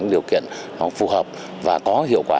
điều kiện phù hợp và có hiệu quả